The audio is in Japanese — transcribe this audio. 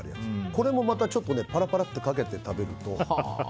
これもまたパラパラってかけて食べると。